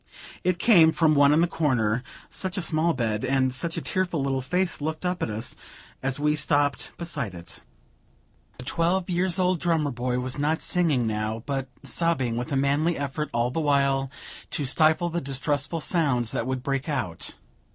It came from one in the corner such a little bed! and such a tearful little face looked up at us, as we stopped beside it! The twelve years old drummer boy was not singing now, but sobbing, with a manly effort all the while to stifle the distressful sounds that would break out.